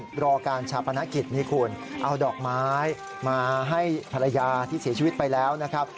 รอการชาปนกิจนี่คุณเอาดอกไม้มาให้ภรรยาที่เสียชีวิตไปแล้วนะครับ